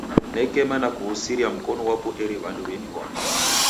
Nekema na kuw'usiria mkonu ghwapo eri w'andu w'iniw'one.